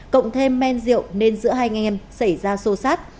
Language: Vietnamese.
cộng thêm men rượu nên giữa hai anh em xảy ra sô sát